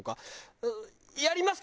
「やりますか？